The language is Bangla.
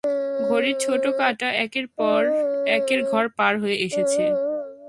ঘড়ির ছোট কাটা একের ঘর পার হয়ে এসেছে।